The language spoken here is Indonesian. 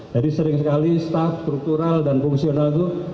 jadi sering sekali staff struktural dan fungsional itu